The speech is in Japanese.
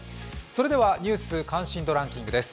それでは「ニュース関心度ランキング」です。